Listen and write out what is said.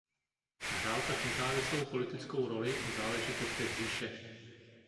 Hrál tak nezávislou politickou roli v záležitostech Říše.